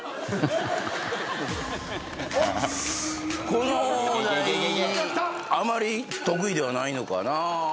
このお題あまり得意ではないのかな。